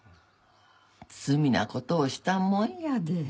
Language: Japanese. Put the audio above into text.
罪な事をしたもんやで。